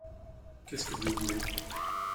Qu’est-ce que vous voulez ?…